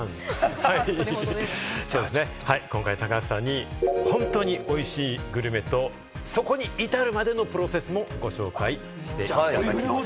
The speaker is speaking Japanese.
今回、高橋さんに本当においしいグルメと、そこに至るまでのプロセスもご紹介していただき。